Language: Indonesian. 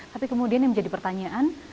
tapi kemudian yang menjadi pertanyaan